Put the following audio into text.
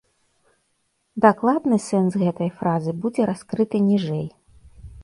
Дакладны сэнс гэтай фразы будзе раскрыты ніжэй.